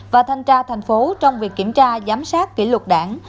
và thanh tra thành phố trong việc kiểm tra giám sát kỷ luật đảng